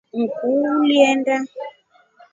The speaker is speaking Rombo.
Nkuu ulienda?